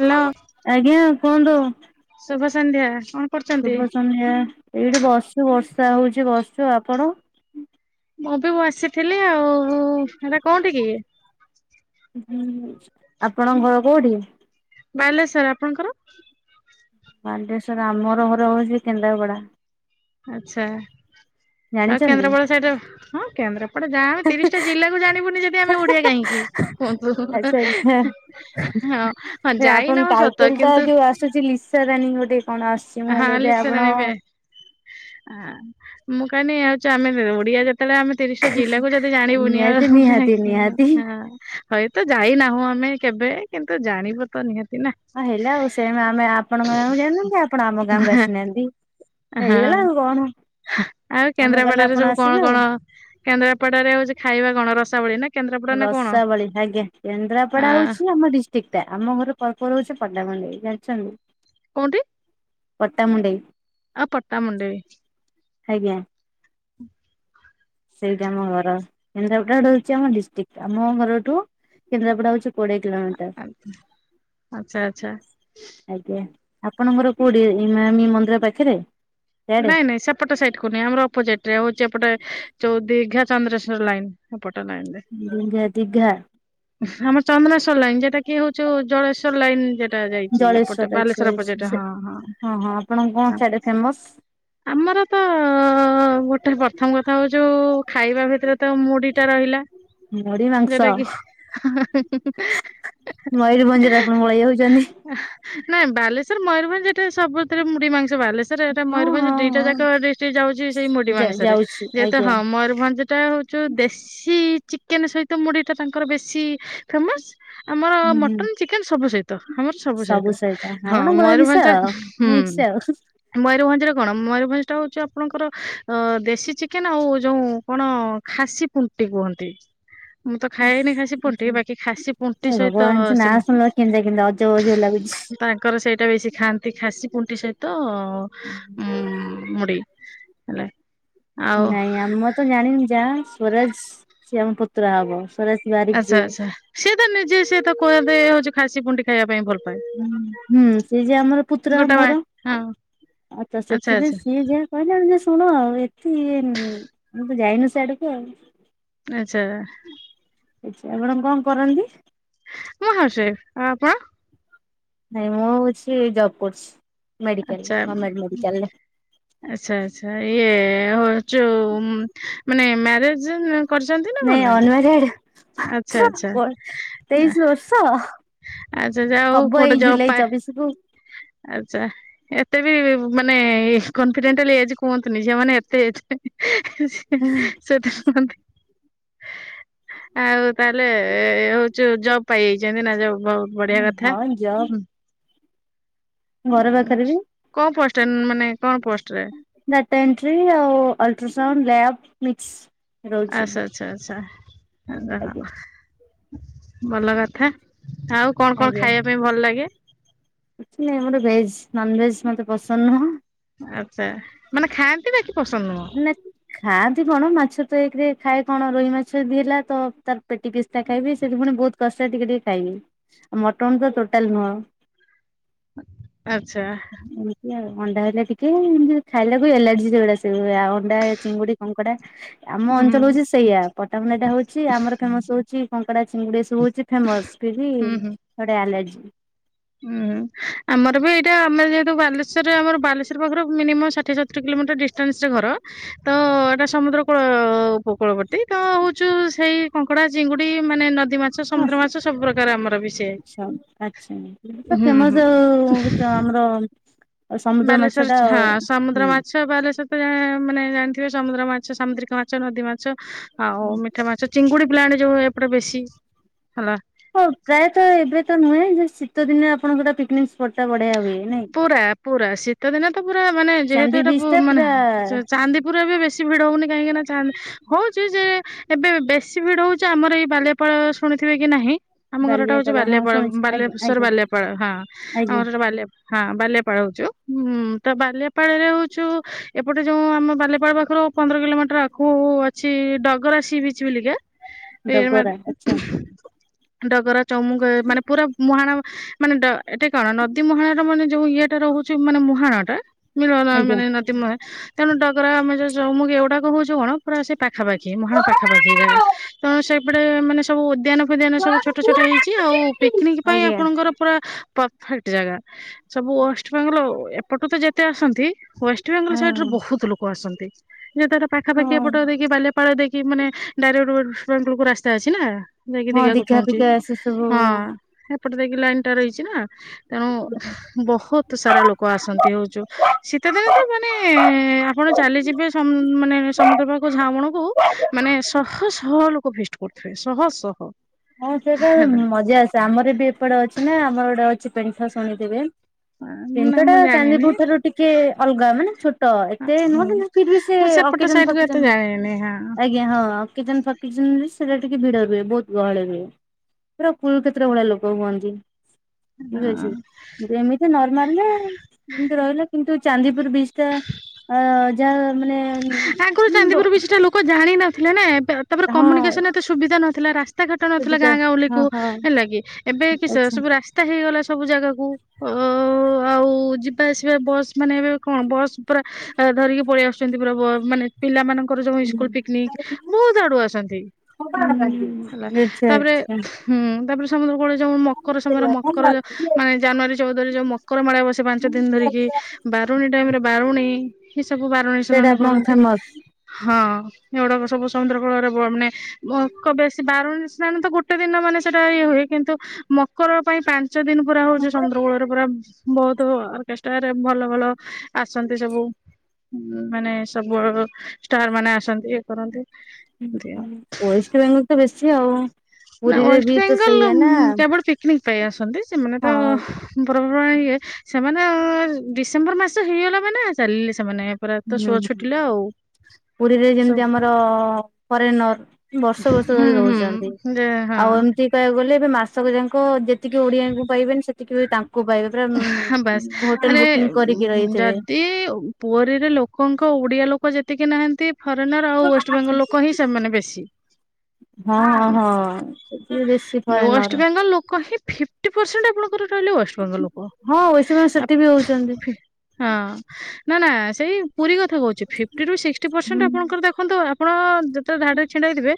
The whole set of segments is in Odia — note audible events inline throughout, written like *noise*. ହ୍ୟାଲୋ ହଁ ଆଜ୍ଞା କୁହନ୍ତୁ। ଶୁଭ ସନ୍ଧ୍ୟା କ ଶୁଭ ସନ୍ଧ୍ୟା ଏଇଠି ବସୁ ବର୍ଷା ହଉଛି ବସଛୁ ଆପଣ? ମୁଁ ବି ମୁଁ ଆସିଥିଲି ଆଉ ସେଟା କଉଠି କି? ହୁଁ ହୁଁ ଆପଣଙ୍କ ଘର କୋଉଠି? ବାଲେଶ୍ଵର ଆପଣଙ୍କର? ବାଲେଶ୍ୱର ଆମର ଘର ହେଉଛି କେନ୍ଦ୍ରାପଡ଼ା। ଆଚ୍ଛା। ଆଉ ଜାଣିଛନ୍ତି? କେନ୍ଦ୍ରାପଡା ସାହିଡ ରେ ହଁ କେନ୍ଦ୍ରାପଡ ଯାହା ଆଉ ତିରିଶଟା ଜିଲ୍ଲା କୁ ଜାଣିବୁନି ଯଦି ଆମେ ଓଡିଆ କାହିଁକି? ଆଚ୍ଛା ଆଚ୍ଛା *unintelligible* ହଁ ହଁ ଯାଇ ନାହୁଁ ସତ କିନ୍ତୁ? ତୁଜିଲି ଲିସା ରାନୀ ଗୋଟେ କଣ ଆସିଛି ମୁଁ ହେଲେ ବୋଧେ ଆପଣ ଆ ମୁଁ କହିିନି *unintelligible* ହଉଛ ଆମେ ଓଡିଆ ଯେତେବେଳେ ଆମେ ତିରିଶଟା ଜିଲ୍ଲା କୁ ଯଦି ଜାଣିବୁନି ଆଉ ନିହାତି *unintelligible* ହଁ ନିହାତି ନିହାତି। *unintelligible* ଭାଇ ତ ଯାଇନାହୁଁ ଆମେ କେବେ କିନ୍ତୁ ଜାଣିବା ତ ନିହାତି ନା ହଁ ହେଲା ଆଉ ସେମ୍ ଆମେ ଆପଣଙ୍କ ଗାଁକୁ ଜାଣିନାହାନ୍ତି ଆପଣ ଆମ ଗାଁକୁ ଆସିନାହାନ୍ତି। ହାଁ ହେଇଗଲା ଆଉ କଣ ଆଉ ଆମେ ଗଲେ ଆପଣ କେନ୍ଦ୍ରାପଡାରେ ସବୁ ଆସିବେ କଣ ଆଉ। କଣ? କେନ୍ଦ୍ରାପଡାରେ ହଉଛି ଖାଇବା କଣ ରସାଵଳି ନା? କେନ୍ଦ୍ରାପଡା ନା କଣ ରସାବଳି ଆଜ୍ଞା ଆ କେନ୍ଦ୍ରାପଡା ହଉଛି ଆମ ଡିସ୍ ଠିକ୍ ଟା ଆମ ଘର ପ୍ରପର୍ ପଟାମୁଣ୍ଡାଇ ଜାଣିଛନ୍ତି? କୋଉଁଠି? ପଟ୍ଟାମୁଣ୍ଡେଇ। ଆଉ ପଟାମୁଣ୍ଡେଇ। ଆଜ୍ଞା। ସେଇଟା ଆମ ଘର କେନ୍ଦ୍ରାପଡା ହଉଛି ଆମ ଡିଷ୍ଟିକ୍ ଆମ ଘରଠୁ କେନ୍ଦ୍ରାପଡା ହଉଛି କୋଡିଏ ଆଚ୍ଛା ଆଚ୍ଛା କିଲୋମିଟର ଆଜ୍ଞା ଆପଣଙ୍କର କୋଉଠି ଇନାମି ମନ୍ଦିର ପାଖରେ? ସିଆଡେ ନାଇଁ ନାଇଁ ସେପ୍ ଏପଟେ ସାଇଡ କୁ ନେଇି ଆମର ଅପୋଜିଟ ରେ ହଉଛି ଏପଟେ ଚଉଦୀର୍ଘେ ଚନ୍ଦ୍ରେଶ୍ଵର ଲାଇନ ଏପଟେ ଲାଇନ ରେ ଦୁର୍ଗା ଦିଘା। ଆମ ଚନ୍ଦନେଶ୍ଵର ଲାଇନ୍ ଯେଟା କି ହଉଚୁ ଜଳେଶ୍ଵର ଲାଇନ୍ ଯେଟ୍ ଜଳେଶ୍ଵର ଅଛି ଛି ଛେ ସେ ହଁ ହଁ-ହଁ ଆପଣଙ୍କ କଣ ହଁ। ସେଆଡେ ଫେମସ୍? ଆମର ତ ହଉ ଗୋଟେ ପ୍ରଥମ କଥା ହଉ ଯୋଉ ଖାଇବା ଭିତରେ ତ ମୁଢ଼ି ଟା ରହିଲା। ମୁଢି ମା ଯେଟା କିି ହଁ-ହଁ ହୁଁ-ହୁଁ-ହୁଁ ମୟୂରଭଞ୍ଜ ରେ ଆପଣ ମୟଉ ପଳେଇ ଯାଉଛନ୍ତି। ନାଇଁ ବାଲେଶ୍ୱର ମୟୂରଭଞ୍ଜ ଏଠା ସବୁଥିରେ ମୁଡ଼ି ମାଂସ ବାଲେଶ୍ ଏଟା ହଁ ମୟୂରଭଞ୍ଜ ହଁ ଦିଟା ହଁ ଯାକ ରେ ଯାଉଛି ସେଇ ମୁଢି ମାଂସ ରେ ଯାଉଛି ଯେହେତୁ ଆଜ୍ଞା ହଁ ମୟୁରଭଞ୍ଜ। ଟା ହଉଛ ଦେଶୀ ଚିକେନ ସହିତ ମୁଢ଼ି ଟା ତାଙ୍କର ବେଶୀ ଫେମସ୍। ଆମର ହୁଁ ହୁଁ ମଟନ୍ ଚିକେନ ସବୁ ସହିତ ଆମର ସବୁ ସହିତ ହଁ ମୟୂଭଞ୍ଜ। ମିକ୍ସ୍ ଆଉ। ମୟୂରଭଞ୍ଜରେ କଣ ମୟୂରଭଞ୍ଜଟା ହଉଛି ଆପଣଙ୍କର ଦେଶୀ ଚିକେନ ଆଉ ଯଉ କଣ ଖାସି ଖୁଣ୍ଟି କୁହନ୍ତି। ମୁଁ ତ ହେ ଖାଏନି ଖାସି ପୁଣ୍ଟି ବାକି ଖାସି ପୁଣ୍ଟି ସହିତ ଭଗବାନ ସେ ନା ଶୁଣିଲ କେନ୍ତା- କେନ୍ତା ଅଜବ୍- ଅଜବ୍ ଲାଗୁଛି। ତାଙ୍କର ସେଇଟା ବେଶୀ ଖାଆନ୍ତି ଖାସି ପୁଣ୍ଟି ସହିତ ଉ ମୁଡ଼ି। ହେଲେ। ନାଇଁ ଆମେ ମତେ ଜାଣିନୁ ଯାହା ସ୍ୱରଜ୍ ଯୋଉ ପୁତୁରା ହବ। ସ୍ୱରାଜ ବାରିକ ଆଚ୍ଛା ଯିଏ। ଆଚ୍ଛା ସିଏ ତ ନିଜେ ସିଏ ତ କହିବା ପାଇଁ ଖାସି ପୁଟି ଖାଇବା ପାଇଁ। ପାଏ ହୁଁ ହୁଁ ସିଏ ଯେ ଆମର ପୁତ୍ରା ଗୋଟା ବା ମୋର ହଁ ଆଛ ଆଚ୍ଛା ସେଥିପାଇଁ ଆଚ୍ଛା ସିଏ ଯା କହିଲେ ଯେ ଶୁଣ ଆଉ ଏଠି ମୁଁ ମୁଁ ତ ଯାଇନି ସେ ଆଡକୁ ଆଉ। ଆଚ୍ଛା। ଆଛା ଆପଣ କଣ କରନ୍ତି? ମୁଁ ହାଉସ୍ ୱାଇଫ୍ ଆ ଆପଣ? ନାଇଁ ମୁଁ ହଉଛି ଜବ୍ କରୁଛି ଆଚ୍ଛା ମେଡିକାଲରେ ର୍ଗମେଟ୍ ମେଡିକାଲରେ। ଆଚ୍ଛା ଆଚଛା ଇଏ ହଉ ମାନେ ମ୍ୟାରେଜ ନା। କରିଛନ୍ତି ନା ନାଇଁ କରୁନାହାନ୍ତି ଅନମ୍ୟାରେଡ ଆଚ୍ଛା ଆଚ୍ଛା। ତେଇଶି ବର୍ଷ। ଆଚ୍ଛା ଯାହା ହୋଉ ହବ କୋଟେ ଏଇ ଜପ୍ ଜୁଲାଇ ଚବିଶ କୁ ଆଚ୍ଛା। ଏତେ ବି ମାନେ କନଫିଡେଣ୍ଟାଲ ଏଜ କୁହନ୍ତୁନି ଝିମାନେ ଏତେ ଏଜ। *unintelligible* ଆଉ ତାହେଲେ ଏ ହଉଚୁ ଜବ ପାଇଯାଇଛନ୍ତି ନା ଜବ ଫପ୍। ହଁ ଯାଅ। ପାଖରେ ବି କଣ ପୋଷ୍ଟରେ ମାନେ କଣ ପୋଷ୍ଟରେ। ଡାଟା ଏଣ୍ଟ୍ରି ଆଉ ଅଲଟ୍ରାସାଉଣ୍ଡ ଲ୍ୟାବ ମିକ୍ସ। ରହୁଛି ଆଚ୍ଛା ଆଚ୍ଛା ଆଚ୍ଛା ଆଚ୍ଛା ଆଜ୍ଞା। ହଁ। ଭଲ କଥା ଆଉ କଣ କଣ ଆଜ୍ଞା। ଖାଇବା ପାଇଁ ଭଲ ଲାଗେ। କିଛି ନାହିଁ ମୋର ଭେଜ୍ ନନଭେଜ୍ ମୋତେ ପସନ୍ଦ ନୁହଁ। ଆଚ୍ଛା ମାନେ ଖାଆନ୍ତି ବା କି ପସନ୍ଦ ନୁହଁ। ନା ଖାଆନ୍ତି କଣ ମାଛ ତ ଏକରେ ଖାଏ କଣ ରୋହି ମାଛ ବି ହେଲା ତ ତାର ପେଟି ପ ଦେଖେଇବି ସେଠି ପୁଣି ବହୁତ କଷ୍ଟ ଟିକେ ଟିକେ ଖାଇବି ଆଉ ମଟନ୍ ତ ଟୋଟାଲ ନୁହଁ। ଆଚ୍ଛା। ଏମିତି ଆଉ ଅଣ୍ଡା। ନା ଆଉ ଅଣ୍ଡା ଚିଙ୍ଗୁଡି କଙ୍କଡା ଆମ ହୁଁ ଅଞ୍ଚଳ ହୁଁ ହଉଛି ସେଇଆା ପଟାମୁଣ୍ଡା ଟା ହଉଛି। ଆମର ଫେମସ ହଉଛି କଙ୍କଡା ଚିଙ୍ଗୁଡି ସବୁ ହଉଛି ଫେମସ ଫିର ହୁଁ ହୁଁ। ବି ଆଲର୍ଜି ହୁଁ। ଆମର ବି ଏଇଟା ଆମର ଯେହେତୁ ବାଲେଶ୍ରରେ ଆମ ବାଲେଶ୍ୱର ପାଖରୁ ମିନିମମ୍ ଷାଠଏତର କିଲୋମିଟର ଡିଷ୍ଟାନ୍ସରେ ଘର। ତ ଏଇଟା ସମୁଦ୍ର କୂଳ ଉପକୂଳବର୍ତ୍ତୀ ତ ହଉଚୁ ସେଇ କଙ୍କଡା ଚିଙ୍ଗୁଡି ମାନେ ନଦୀ। ମାଛ ସମୁଦ୍ର ମାଛ ସବୁ ପ୍ରକାର ଆମର ବିଷୟ। ଆଛା ଫେମସ ଗୁଚ ଆମର ସମୁଦ୍ର ମାଛ ଟା ବାଲେସ୍ୱର ଆଉ ହଁ ସମୁଦ୍ର ହୁଁ ମାଛ ବାଲେଶ୍ଵର ମାନେ ଜାଣିଥିବେ ସମୁଦ୍ର ମାଛ ସାମୁଦ୍ରିକ ମାଛ ନଦୀ ମାଛ ଆଉ ମିଠା ମାଛ ଚିଙ୍ଗୁଡ଼ି ପ୍ଲାଣ୍ଟ ଯୋଉ ଏପଟା ବେଶୀ ହେଲା। ହଁ ପ୍ରାୟତ ଏବେ ତ ନୁହେଁ ଯେ ଶୀତ ଦିନେ ଆପଣଙ୍କ ପିକନିକ ସ୍ପଟ୍ ଟା ବଢଆ ପୁରା ପୁରା ଶୀତ ଦିନେ ତ ପୁରା ମାନେ ଯେହେତୁ ଚାନ୍ଦି ଏଟା ବିଚ ଟା ମାନେ ପୁରା ଚାନ୍ଦି ପୁରେ ବି ବେଶ ଭିଡ ହଉନି କାହିଁକି ନା ଚା ହଉଛି ଯେ ଏବେ ବେଶୀ ଭିଡ ହଉଛି ଆମର ଏଇ ବାଲାଇପାଳ ଶୁଣିଥିବେ କି ନାହିଁ? ଆମ ଘର ଟା ହଉଛି ବାଲିଆପାଳ ହଁ ବାଲଆପାଳ ଶୁଣିଛି ଆଜ୍ଞା ବାଲେଶ୍ଵର ଆଜ୍ଞା ବାଲଆପାଳ ହଁ ଆମ ଆଜ୍ଞା ଘରଟା ବାଲିଆ ହଁ ବାଲିଆପାଳ ହଉଛୁ ହୁଁ ତ ବାଲିଆପାଳ ରେ ହଉଛୁ ଏପଟେ ଯୋଉ ଆମ ବାଲିଆପାଳ ପାଖରୁ ପନ୍ଦର କିଲୋମିଟର ଆଗକୁ ଅଛି ଡଗରାସିି ବିଚ ବୋଲିକା ଏ ମା ଡଗରା ଆଚ୍ଛା ଡଗର ଚମୁଗ ମାନେ ପୁରା ମୁହାଣ ମାନେ ଡ୍ ଏଟେ କଣ ନଦୀ ମୁହାଣ ର ମାନେ ଯୋଉ ଇଏଟା ରହୁଛି ମାନେ ମୁହାଣ ଟା ମିଳନ ଆଜ୍ଞା ମାନେ ଚୁମେ ତେଣୁ ଡଗରା ଆମେ ଚମୁକୁ ଏଗୁଡାକ ହଉଛି କଣ ପୁରା ସେ ପାଖାପାଖି ମହା ପାଖାପାଖି ଏ ଜାଗା ତେଣୂ ସେପଟେ ମାନେ ସବୁ ଉଦ୍ୟାନ ଫୁଦ୍ୟାନ ସବୁ ଛୋଟ ଛୋଟ ହେଇଛି ଆଉ ପିକ୍ନିକ୍ ପାଇଁ ଆଜ୍ଞା ଆପଣଙ୍କର ପୁରା ପରଫେକ୍ଟ ଜାଗା। ସବୁ ୱେଷ୍ଟବେଙ୍ଗଲ ଏପଟୁ ତ ଯେତେ ଆସନ୍ତି ୱେଷ୍ଟବେଙ୍ଗଲ ସାଇଡୁ ହଁ ବହୁତ ଲୋକ ଆସନ୍ତି ଯେ ତାର ପାଖାପାଖିଆ ହଁ ଏପଟ ଦେଇକି ବାଲିପା ପାଳ ଦେଇକି ମାନେ ଡାଇରେକ୍ଟ *unintelligible* ରାସ୍ତା ଅଛି ନା। ଯାଇକି ହଁ ଦିଗାକୁ ଦୀଘା ଛଉଁଛି ଫିକା ସେ ସବୁ ହଁ ଏପଟେ ଯାଇକି ଲାଇନ ଟା ରହିଛି ନା ତେଣୁ ବହୁତ ସାରା ଲୋକ ଆସନ୍ତି ହଉଛୁ ଶୀତଦିନେ ତ ମାନେ ଆପଣ ଚାଲିଯିବେ ସମୁ ମାନେ ସମୁଦ୍ର କୂଳକୁ ଝାଉ ବଣକୁ ମାନେ ଶହ ଶହ ଲୋକ ଫିଷ୍ଟୀ କରୁଥିବେ ଶହ ଶହ ହଁ ସେଇଟା ହେଲା ମଜା ଆସେ ଆମର ବି ଏପଟେ ଅଛି ନା ଆମର ଗୋଟେ ଅଛି ପେଣ୍ଠା ଶୁଣିଥିବେ ନା ପେଣ୍ଠା ଟା ମୁଁ ଜାଣିନି ଚାନ୍ଦିପୁରୁ ଠାରୁ ଟିକେ ଅଲଗା ମାନେ ଛୋ ଟ ଏତେ ନୁହଁ କିନ୍ତୁ ଫିର୍ ବି ସେ ମୁଁ ସେପଟ ଅକେଜନ ସାଇଡ କୁ ଫକେଜନ ଏତେ ଜାଣିନି ହଁ ଆଜ୍ଞା ହଁ। ଅକେଜନ୍ ଫକେଜନ ସେଟା ଟିକେ ଭିଡ ରୁହେ ବହୁତ ଗହଳି ହୁଏ। ପୁରା ପୁଲୁ ଖେତ୍ର ଭଳିଆ ଭଳିଆ ଲୋକ ହୁଅନ୍ତି। ହଁ *unintelligible* ଏମିତି ନର୍ମାଲ ରେ ଏମୀତି ରହିଲା କିନ୍ତୁ ଚାନ୍ଦିପୁର ବିଚ୍ ଟା ଯା ମାନେ ଆଗରୁ ଉମ୍ବ ଚାନ୍ଦିପୁର କିଛିଟା ଲୋକ ଜାଣିିନଥିଲେ ନା ତାପରେ କମ୍ୟୁନିକସନ ଏତେ ସୁବିଧା ନଥିଲା ରାସ୍ ରାସ୍ତା ଘାଟ ନଥିଲା ଗାଁ ସୁବିଧା ଗାଁଉଁଲି କୁ ହଁ ହଁ ହେଲା କିି ଏବେ କିସ‌ ଆଚ୍ଛା ସବୁ ରାସ୍ତା ହେଇଗଲା ସବୁ ଜାଗାକୁ ଓ ଆଉ ଯିବା ଆସିବା ବସ୍ ମାନେ ଏବେ କଣ ବସ୍ ପୁରା ଧରିକି ପଳେଇ ଆସୁ ଚନ୍ତି ମାନେ ପିଲା ମାନଙ୍କର ଯୋଉ ଇସ୍କୁଲ ପିକିନିକ ବହୁତ ଆଡୁ ଆସନ୍ତି। *unintelligible* ହେଲା ଆଚ୍ଛା ତାପରେ ଆଚ୍ଛା। ହୁଁ ତାପରେ ସମୁଦ୍ର କୂଳରେ ଯଉ ମକର ସମୟରେ ମକର ମାନେ ଜାନୁଆରୀ ଚଉଦରେ ଯୋଉ ମକର ମେଳା ବସେ ପାଞ୍ଚ ଦିନ ଧରିକି, ବାରୁଣୀ ଟାଇମ ରେ ବାରୁଣୀ ଏ ସବୁ ବାରୁଣୀ ସେଇଟା ସେମାନେ ଆପଣଙ୍କ କରନ୍ତି। ଫେମସ୍। ହଁ ଏଗୁଡାକ ସବୁ ସମୁଦ୍ର କୂଳରେ ବ ମାନେମକ ବେଶୀ ବାରୁଣୀ ଜାଣେ ତ ଗୋଟେ ଦିନ ମାନ ସେଟା ଇଏ ହୁଏ କିନ୍ତୁ ମକର ପାଇଁ ପାଞ୍ଚ ଦିନ ପୁରା ହଉଛି ସମନ୍ଦ୍ରକୂଳରେ ପୁରା ବହୁତ ଅର୍କେଷ୍ଟାର୍ ଭଲ ଭଲ ଆସନ୍ତି ସବୁ। ମାନେ ସବୁ ଷ୍ଟାର ମାନେ ଆସନ୍ତି ଇଏ କରନ୍ତି ଏମତି ଆଉ ୱେଷ୍ଟବେଙ୍ଗଲ ତ ବେଶୀ ଆଉ। ନା ପୁରୀରେ ୱେଷ୍ଟ ବି ତ ବେଙ୍ଗଲ ସେଇଆ ନା କେବଳ ପିକ୍ ନିକ୍ ପାଇଁ ଆସନ୍ତି ସେମାନେ ତ ହଁ। ପର୍ବପର୍ବାଣି ଇଏ ସେମାନେ ଡିସେମ୍ବର ମାସ ହେଇଗଲା ମାନେ ଚାଲିଲେ ସେମାନେ ପୁରା ତ ହୁଁ ସୋ ଛୁଟିଲା ଆଉ। ପୁରୀରେ ଯେମିତି ଆମର ଫରେନର୍ ବର୍ଷ ବର୍ଷ ହୁଁ ଧରି ରହୁଛନ୍ତି। ହୁଁ ଯେ ହଁ। ଆଉ ଏମିତି କହିବାକୁ ଗଲେ ଏବେ ମାସକ ଯାଙ୍କ ଯେତିକି ଓଡିଆଙ୍କୁ ପାଇବେନି, ସେତିକି ବି ତାଙ୍କୁ ପାଇବେ। ପୁରା ହଁ ବାସ୍ ହୋଟେଲ ଆରେ ବୁକିଂ କରିକି ଉଁ, ରହିଥିବେ। ଯଦି ପୁରୀରେ ଲୋକଙ୍କ ଓଡିଆ ଲୋକ ଯେତିକି ନାହାନ୍ତି, ଫରେନର୍ ଆଉ ୱେଷ୍ଟବେଙ୍ଗୋଲ ଲୋକ ହିଁ ସେମାନେ ବେଶୀ। ହଁ ହଁ ସେଠି ବେଶୀ ଫରେନର୍। ୱେଷ୍ଟବେଙ୍ଗଲ ଲୋକ ହିଁ ଫିପ୍ ଫିଫ୍ଟୀ ପରସେଣ୍ଟ ଆପଣଙ୍କର ରହିଲେ ୱେଷ୍ଟବେଙ୍ଗୋଲ ଲୋକ। ହଁ ୱେଷ୍ଟବେଙ୍ଗୋଲ ଆ ସେଠି ବି ହଉଛନ୍ତି। ଫି- ହଁ ନା ନା ସେଇ ପୁରୀ କଥା କହୁଚି, ଫିପ୍ଟି ରୁ ସିକ୍ଟୀ ହୁଁ ପରସେଣ୍ଟ ଆପଣଙ୍କର ଦେଖନ୍ତୁ ଆପଣ ଯେତେବେଳେ ଧାଡି ରେ ଛିଡ଼ା ହେଇଥିବେ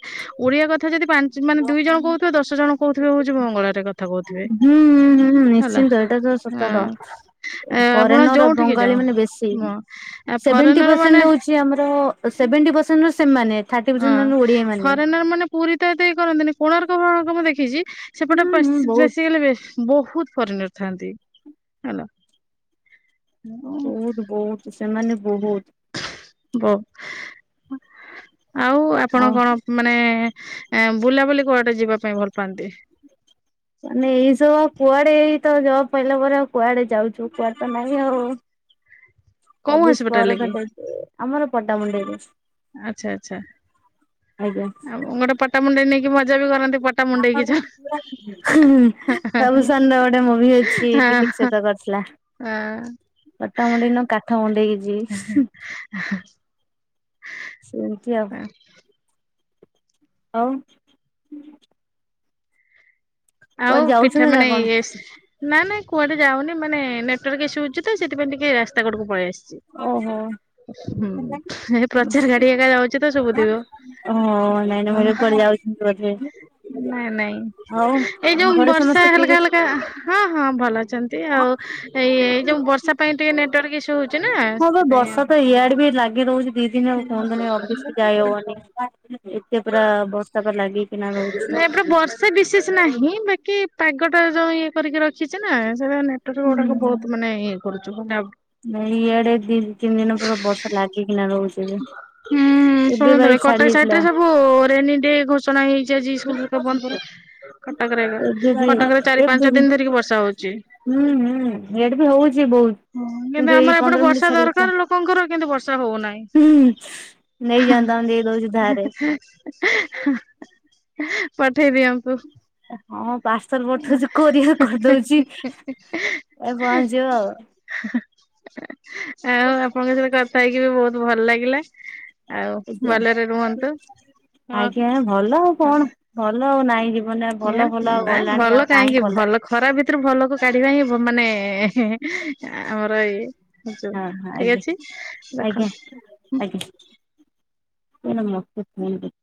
ଓଡିଆ କଥା ଯଦି ପାଞ୍ଚ ମାନେ ଦୁଇ ଜଣ କହୁଥିବେ, ଦଶ ଜଣ କହୁଥିବେ ହଉଛି ବଙ୍ଗଳାରେ କଥା କହୁଥିବେ। ହୁଁ। ହେଲା। *unintelligible* ଏ, ଆପଣ ଫରେନର୍ ଯୋଉଠିକି ବଙ୍ଗାଳୀ ଯାଅ ମାନେ ବେଶୀ। ହଁ ସେଭେଣ୍ଟି ଫରେନର ମାନେ ପରସେଣ୍ଟ ହଉଛି ଚି ଆମର ସେଭଣ୍ଟି ପରସେଣ୍ଟ ସେମାନେ। ଥାର୍ଟି ହଁ ପରସେଣ୍ଟ ଓଡିଆ ମାନେ। ମାନେ ପୁରୀ ତ ଏତେ ଏଇ କରନ୍ତିନି କୋଣାର୍କ ମୁଁ ଦେଖିଛି ସେପଟେ। ହୁଁ ହୁଁ ବହୁତ *unintelligible* ବହୁତ୍ ଫରେନର ଥାନ୍ତି। ହେଲା। ଉଁ, ବହୁତ ବହୁତ ସେମାନେ ବହୁତ। ବ ଆଉ ଆପଣ ଆଉ କଣ ମାନେ ବୁଲାବୁଲି କୁଆଡେ ଯିବା ପାଇଁ ଭଲ ପାଆନ୍ତି? ମାନେ ଏଇସବୁ ଆଉ କୁଆଡେ ଏଇତ ଯବ୍ ପାଇଲା ପରେ ଆଉ କୁଆଡେ ଯାଉଚୁ କୁଆଡେ ତ ନାହିଁ ଆଉ। କୋଉ ହସ୍ପିଟାଲ କି? *unintelligible* ଆମର ପଟାମୁଣ୍ଡେଇରେ। ଆଚ୍ଛା ଆଚ୍ଛା। ଆଜ୍ଞା। ଆଉ ଗୋଟେ ପଟାମୁଣ୍ଡେଇ ନେଇକି ମଜାକ୍ କରନ୍ତି ପଟା ମୁଣ୍ଡେଇକି ଯା। ବାବୁସାନ ର ଗୋଟେ ମୁଭି ଅଛି ହଁ। ଦିଲିପ ଆଁ। ପଟାମୁଣ୍ଡାଇ ନୁହଁ କାଠ ମୁଣ୍ଡେଇକି ଯିବି। *inaudible* ସେମିତି ଆଉ। ହଉ। ଆଉ କୁଆଡେ ପିଠା ଯାଉଛନ୍ତି ନା ମାନେ କଣ ନା ନା କୁଆଡେ ଯାଉନି ମାନେ ନେଟୱାର୍କ ଇସୁ ହଉଚି ତ ସେଥିପାଇଁ ଟିକେ ରାସ୍ତା କଡକୁ ପଳେଇ ଆସିଛି। ଓହୋ ହୁଁ ଏ ପ୍ରଚାର *unintelligible* ଗାଡି ଏକା ଯାଉଛି ତ ଶୁଭୁଥିବ। କୁଆଡ଼େ ଯାଉ। *unintelligible* ନାଇଁ ନାଇଁ ଏଇ ଯୋଉ ଘରେ ବର୍ଷା ସମସ୍ତେ ଠିକ ହାଲକା ଅଛି? ହାଲ୍କା ହଁ ହଁ ଭଲ ଅଛନ୍ତି। ଏମତି ଆଉ। ଏଇ ଏ ଯୋଉ ବର୍ଷା ପାଇଁ ଟିକେ ନେଟୱାର୍କ ଇସ୍ୟୁ ହଉଛି ନା ହଁ ବା ସେଥିପାଇଁ ବର୍ଷା ତ ଆଉ। ଇଆଡେ ବି ଲାଗି ରହୁଚି। ଦି ଦିନ ହବ କୁହନ୍ତୁନି ଅଫିସ ଯାଇ ହବନି। ଏତେ ପୁରା ବର୍ଷା ପା ଲାଗି ନାଇଁ ପରା ବର୍ଷ ବର୍ଷା ବିଶେଷ ନାହିଁ ବାକି ପାଗଟା ଯୋଉ ଇଏ କରିକି ରଖିଛି ନା। ସେଟା ନେଟ ନେଟୱାର୍କ ଗୁଡାକ ବହୁତ ମାନେ ଇଏ କରୁଚୁ ମାନେ ନାଇଁ ଇଆଡେ ଦି ତିନି ଦିନ ପୁରା ବର୍ଷା ଲାଗିକିନା ରହୁଛି। ହୁଁ ଏବେ ବା ଶୁଣୁଥିବେ ଏଇ ଛାଡି କଟକ ସାଇଟ ଯାଇଥିଲା ରେ ସବୁ ରେନି ଡେ ଘୋଷଣା ହେଇଚି ଆଜି ସ୍କୁଲ୍ ବନ୍ଦ ସବୁ। ଏବେ କଟକରେବଏବେ। ବି କଟକ ରେ ଚାରି ଏବେ ପାଞ୍ଚ ବି ଦିନ ଧରିକି ବର୍ଷା ହଉଚି। ହୁଁ ହୁଁ। ଇଆଡେ ବି ହଉଚି ବହୁତ। ହଁ କିନ୍ତୁ ଏଇ ଆମର ଏପଟେ ପନ୍ଦର ମିନିଟ ବର୍ଷା ଛାଡିକି। ଦରକାର ଲୋକଙ୍କର କିନ୍ତୁ ବର୍ଷା ହଉନାହିଁ। *unintelligible* ନେଇ ଯା ତମକୁ ଟିକେ ଦଉଛି ଧାରେ। ପଠେଇ ଦିଅନ୍ତୁ। ହଁ ପାର୍ସଲ ହେଲା। ପଠଉଛି କୋରିଅର କରିଦଉଚି। ଏ ପହଞ୍ଚିବ ଆଉ। ହେଁ ହେଁ ଆଉ ଆପଣଙ୍କ ସହିତ କଥା ହେଇକି ବି ବହୁତ ଭଲ ଲାଗିଲା। ଆଉ ଭଲରେ ରୁହନ୍ତୁ ଆଜ୍ଞା ହଁ ଆଜ୍ଞା ଭଲ ଆଉ କଣ ଭଲ ଆଉ ନାଇଁ ଯି ବନ ରେ ଆଉ ହଁ। ଭଲ ଭଲ ଆଉ ଗଲାଣି ଆଉ ନାହିଁ ଭଲ। ଖରାପ୍ ଭିତୁରୁ ଭଲକୁ କାଢିବା ହିଁ ମାନେ ହେଁ ହେଁ ଆମର ଏଇ ହେଇଚୁ ହଁ ହଁ ଠିକ୍ ଆଜ୍ଞା ଅଛି ଆଜ୍ଞା ରଖନ୍ ଆଜ୍ଞା କୁଅନା ମତେ ଫୋନ୍ ଦେ